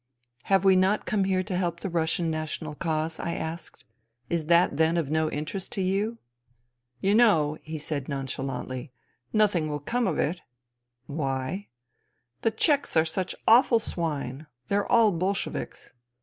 " Have we not come here to help the Russian national cause ?" I asked. " Is that then of no interest to you ?"" You know," he said nonchalantly, " nothing will come of it." " Why ?"" The Czechs are such awful swine. They're all Bolsheviks."